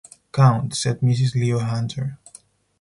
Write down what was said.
‘Count,’ said Mrs. Leo Hunter.